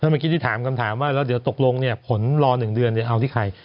เมื่อกี้ที่ถามคำถามว่าแล้วเดี๋ยวตกลงเนี่ยผลรอ๑เดือนเอาที่ใคร